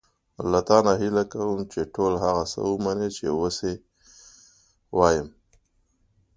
له تا نه هیله کوم چې ټول هغه څه ومنې چې اوس یې وایم.